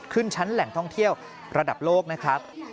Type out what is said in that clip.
ขึ้นชั้นแหล่งท่องเที่ยวระดับโลกนะครับ